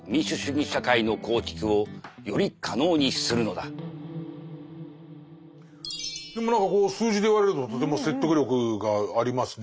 でも何かこう数字で言われるととても説得力がありますね。